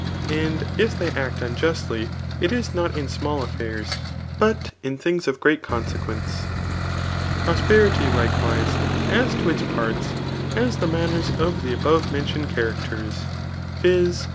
And if they act unjustly, it is not in small affairs, but in things of great conaequence* Prosperity, likewise, as to its parts, has the manners of die above mentioned characters, [viz.